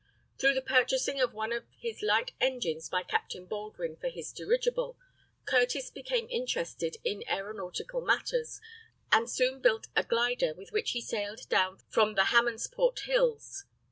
Through the purchasing of one of his light engines by Captain Baldwin for his dirigible, Curtiss became interested in aeronautical matters, and soon built a glider with which he sailed down from the Hammondsport hills.